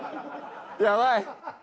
やばい。